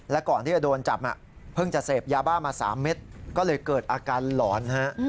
และก่อนที่จะโดนจับเพิ่งจะเสพยาบ้ามา๓เม็ดก็เลยเกิดอาการหลอนฮะ